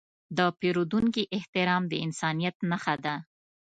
د پیرودونکي احترام د انسانیت نښه ده.